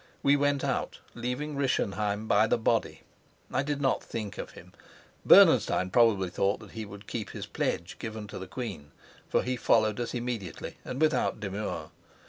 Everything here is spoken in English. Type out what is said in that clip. We went out, leaving Rischenheim by the body. I did not think of him; Bernenstein probably thought that he would keep his pledge given to the queen, for he followed us immediately and without demur.